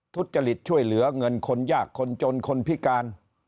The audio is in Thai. ทุจริตช่วยเหลือเงินคนยากคนจนคนพิการ